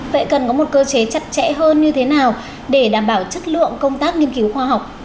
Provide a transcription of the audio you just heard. vậy cần có một cơ chế chặt chẽ hơn như thế nào để đảm bảo chất lượng công tác nghiên cứu khoa học